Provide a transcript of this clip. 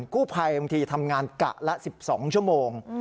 กู้ภัยบางทีทำงานกะละ๑๒ชั่วโมง